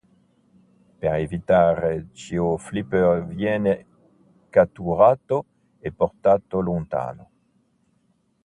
Per evitare ciò Flipper viene catturato e portato lontano.